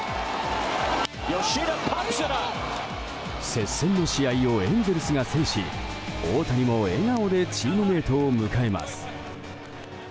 接戦の試合をエンゼルスが制し大谷も笑顔でチームメートを迎えます。